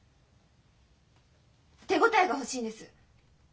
手応えが欲しいんです。